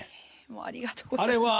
ありがとうございます。